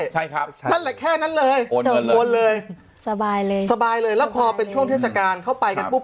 ใช่ครับนั่นแค่นั้นเลยสบายเลยแล้วพอเป็นช่วงเทศกาลเข้าไปกันปุ๊บ